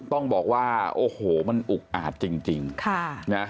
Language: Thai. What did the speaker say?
ต้องบอกว่าโอ้โหมันอุกอาจจริงค่ะนะ